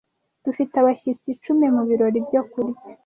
Dufite abashyitsi icumi mu birori byo kurya.